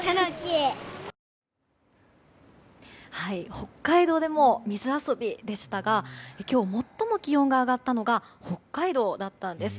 北海道でも水遊びでしたが今日、最も気温が上がったのが北海道だったんです。